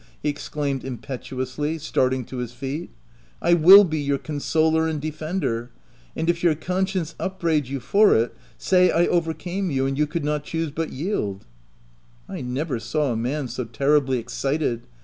,, he exclaimed impetuously, starting to his feet —" I will be your consoler and defender ! and if your conscience upbraid you for it, say I overcame you and you could not choose but yield !" I never saw a man so terribly excited.